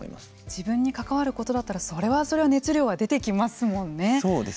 自分に関わることだったらそれはそれは熱量は出てきますもんね。